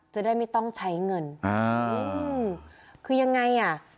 จะได้ไม่ต้องใช้เงินอ่าคือยังไงอ่ะ